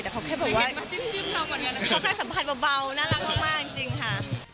แต่เขาแค่บอกว่าเขาแค่สัมภาษณ์เบาน่ารักมากจริงค่ะ